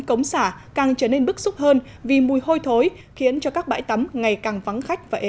cống xả càng trở nên bức xúc hơn vì mùi hôi thối khiến cho các bãi tắm ngày càng vắng khách và ế